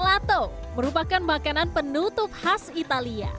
lato merupakan makanan penutup khas italia